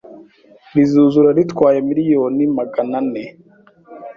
rizuzura ritwaye miliyoni magana ne